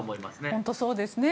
本当にそうですね。